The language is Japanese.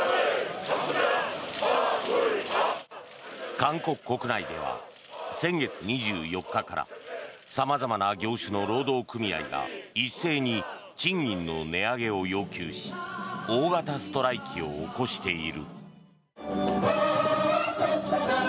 韓国国内では先月２４日から様々な業種の労働組合が一斉に賃金の値上げを要求し大型ストライキを起こしている。